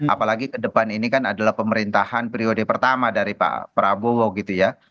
apalagi ke depan ini kan adalah pemerintahan periode pertama dari pak prabowo gitu ya